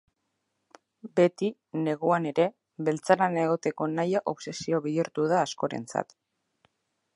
Beti, neguan ere, beltzaran egoteko nahia obsesio bihurtu da askorentzat.